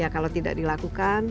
kalau tidak dilakukan